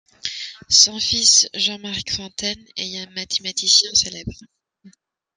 Son fils, Jean-Marc Fontaine, est un mathématicien célèbre.